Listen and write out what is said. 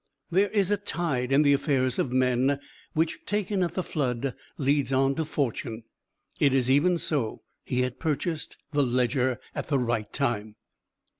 "There is a tide in the affairs of men, which taken at the flood leads on to fortune." It is even so; he had purchased the Ledger at the right time.